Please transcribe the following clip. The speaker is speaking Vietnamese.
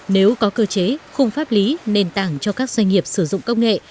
nếu có cơ chế khung pháp lý nền tảng cho các doanh nghiệp sử dụng công nghệ